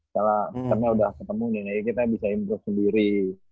karena udah ketemu dia jadi kita bisa improve sendiri